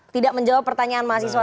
tidak menjawab pertanyaan mahasiswa